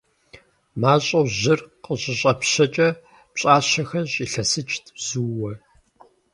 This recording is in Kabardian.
МащӀэу жьыр къыщыщӀэпщэкӀэ пщӀащэхэр щӀилъэсыкӀт зууэ.